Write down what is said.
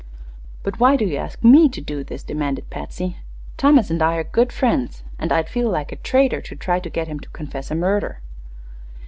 "But why do you ask me to do this?" demanded Patsy. "Thomas and I are good friends, and I'd feel like a traitor to try to get him to confess a murder."